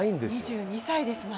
まだ２２歳です。